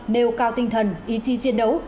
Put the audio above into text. nêu cao tinh thần ý chí chiến đấu